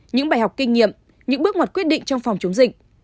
những bài học kinh nghiệm những bước ngoặt quyết định trong phòng chống dịch